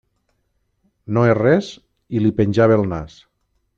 No és res, i li penjava el nas.